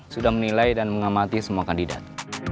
sudah menilai dan mengamati semua kandidat